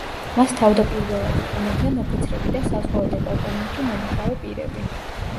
მას თავდაპირველად იყენებდნენ ოფიცრები და საზღვაო დეპარტამენტში მომუშავე პირები.